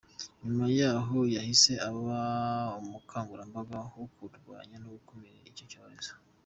Nyuma y’aho yahise aba umukangurambaga wo kurwanya no gukumira icyo cyorezo.